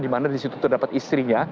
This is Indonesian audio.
di mana disitu terdapat istrinya